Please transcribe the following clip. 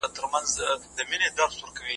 که اړتیا وي څېړنه باید ترسره سي.